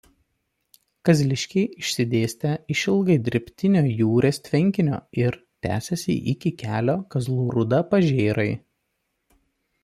Kazliškiai išsidėstę išilgai dirbtinio Jūrės tvenkinio ir tęsiasi iki kelio Kazlų Rūda–Pažėrai.